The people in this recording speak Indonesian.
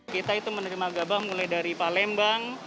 kita itu menerima gabah mulai dari palembang